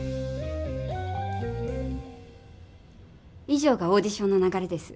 い上がオーディションの流れです。